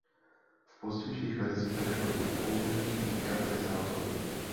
V pozdějších verzích došlo i na použití katalyzátoru.